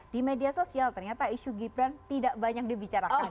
di media sosial ternyata isu gibran tidak banyak dibicarakan